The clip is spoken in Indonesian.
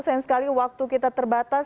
sayang sekali waktu kita terbatas